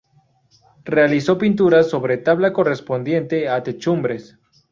Realizó pinturas sobre tabla correspondiente a techumbres.